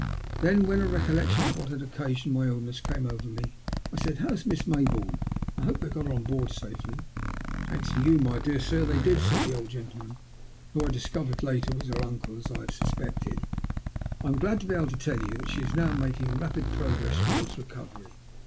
Then, when a recollection of what had occasioned my illness came over me, I said, "How is Miss May bourne? I hope they got her on board safely ?" "Thanks to you, my dear sir, they did," said the old gentleman, who I discovered later was her uncle, as I had suspected. "I am glad to be able to tell you that she is now making rapid progress towards recovery.